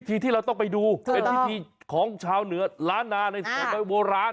ที่เราต้องไปดูเป็นพิธีของชาวเหนือล้านนาในสมัยโบราณ